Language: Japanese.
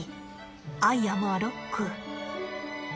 アイアムアロック。